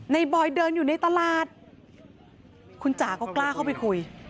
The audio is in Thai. บอยเดินอยู่ในตลาดคุณจ๋าก็กล้าเข้าไปคุย